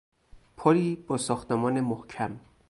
پلی با ساختمان محکم